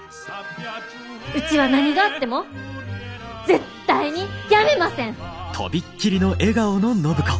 うちは何があっても絶対に辞めません！